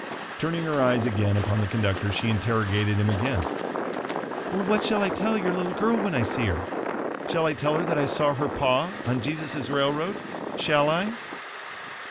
Turning her eyes again upon the conductor, she interrogated him again, "What shall I tell your little girl when I see her? Shall I tell her that I saw her pa on Jesus' railroad? Shall I?"